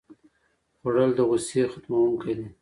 خوړل د غوسې ختموونکی دی